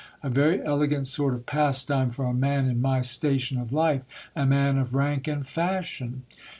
A very elegant sort of pastime for a man in my station of life ; a man of rank and fashion